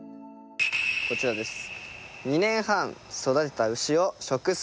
こちらです。